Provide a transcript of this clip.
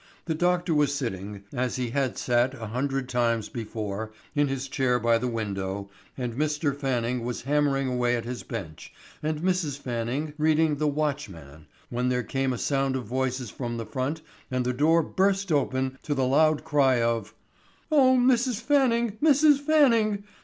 The doctor was sitting, as he had sat a hundred times before, in his chair by the window, and Mr. Fanning was hammering away at his bench and Mrs. Fanning reading the Watchman, when there came a sound of voices from the front and the door burst open to the loud cry of— "O Mrs. Fanning, Mrs. Fanning!